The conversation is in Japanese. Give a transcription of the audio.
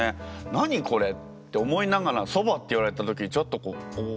「何これ？」って思いながら「そば」って言われた時ちょっとこう「おお！」